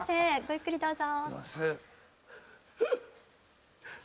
ごゆっくりどうぞ。